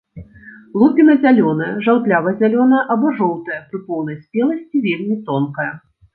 Лупіна зялёная, жаўтлява-зялёная або жоўтая, пры поўнай спеласці вельмі тонкая.